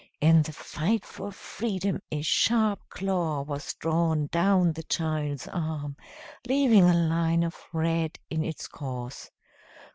In the fight for freedom a sharp claw was drawn down the child's arm, leaving a line of red in its course.